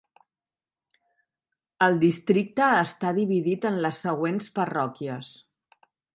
El districte està dividit en les següents parròquies.